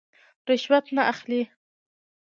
رشوت نه اخلي.